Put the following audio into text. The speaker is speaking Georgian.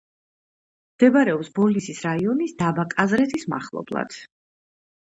მდებარეობს ბოლნისის რაიონის დაბა კაზრეთის მახლობლად.